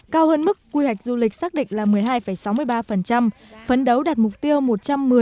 cao hơn mức quy hoạch du lịch xác định là một mươi hai sáu mươi ba phấn đấu đạt mục tiêu một trăm một mươi một trăm hai mươi tỷ vào năm hai nghìn hai mươi